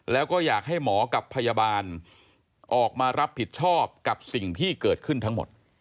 แล้วก็อยากให้หมอกับพยาบาลออกมารับผิดชอบกับสิ่งที่เกิดขึ้นทั้งหมด